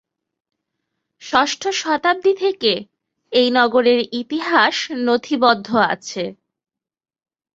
ষষ্ঠ শতাব্দী থেকে এই নগরের ইতিহাস নথিবদ্ধ আছে।